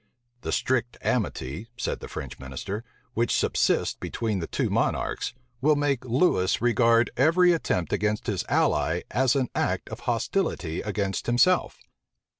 The strict amity, said the French minister, which subsists between the two monarchs, will make Lewis regard every attempt against his ally as an act of hostility against himself.